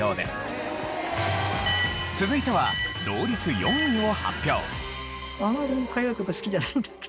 続いては同率４位を発表。